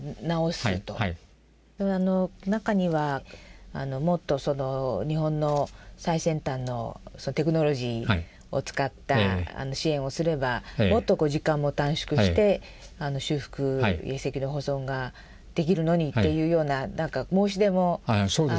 中にはもっとその日本の最先端のテクノロジーを使った支援をすればもっと時間も短縮して修復遺跡の保存ができるのにっていうような申し出もあったことが。